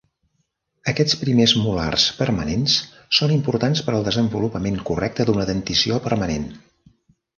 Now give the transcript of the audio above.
Aquests primers molars permanents són importants per al desenvolupament correcte d'una dentició permanent.